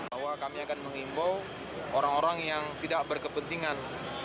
bahwa kami akan mengimbau orang orang yang tidak berkepentingan